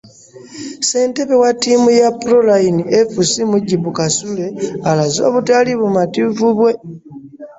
Ssenkulu wa ttiimu ya Proline FC, Mujibu Kasule alaze obutali bumativu bwe.